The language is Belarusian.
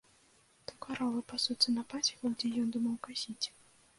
То каровы пасуцца на пасеках, дзе ён думаў касіць.